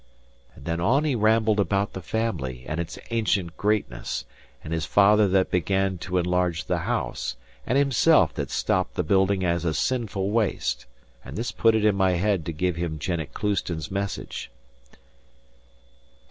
And then on he rambled about the family, and its ancient greatness, and his father that began to enlarge the house, and himself that stopped the building as a sinful waste; and this put it in my head to give him Jennet Clouston's message.